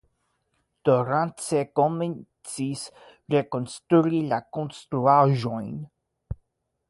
Do Rance komencis rekonstrui la konstruaĵojn.